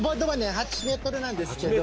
８ｍなんですけど。